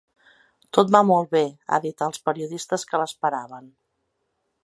Tot va molt bé ha dit als periodistes que l’esperaven.